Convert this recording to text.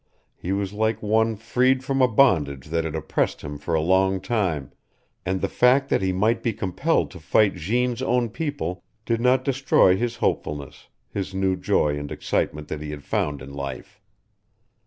He was like one freed from a bondage that had oppressed him for a long time, and the fact that he might be compelled to fight Jeanne's own people did not destroy his hopefulness, the new joy and excitement that he had found in life.